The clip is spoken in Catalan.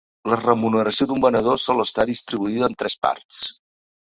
La remuneració d'un venedor sol estar distribuïda en tres parts.